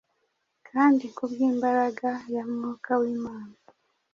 kandi kubw’imbaraga ya Mwuka w’Imana,